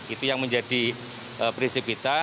itu yang menjadi prinsip kita